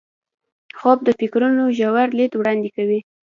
خوب د فکرونو ژور لید وړاندې کوي